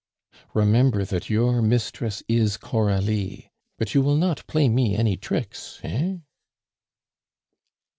Remember that your mistress is Coralie! But you will not play me any tricks, eh?"